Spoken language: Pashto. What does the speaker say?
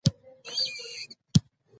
څنګه جاواسکريپټ زده کړم؟